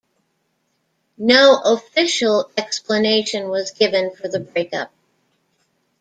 No official explanation was given for the breakup.